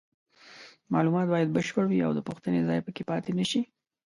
معلومات باید بشپړ وي او د پوښتنې ځای پکې پاتې نشي.